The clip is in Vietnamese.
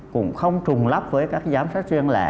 cũng không trùng lắp với các giám sát riêng lẻ